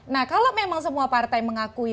nah kalau memang semua partai mengakui